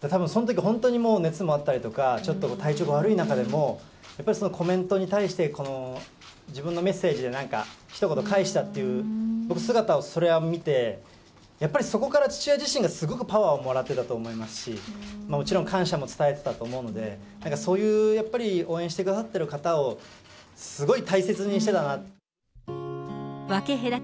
たぶんそのとき、本当にもう熱もあったりとか、ちょっと体調が悪い中でも、やっぱりそのコメントに対して、自分のメッセージでなんかひと言返したという、僕、姿をそれを見て、やっぱりそこから父親自身がすごくパワーをもらってたと思いますし、もちろん感謝も伝えてたと思うので、そういうやっぱり、応援してくださってる方をすごい大切にしてたなって。